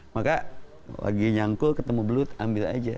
maka lagi nyangkul ketemu belut ambil aja